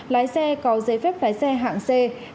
lái xe có giấy phép lái xe hạng c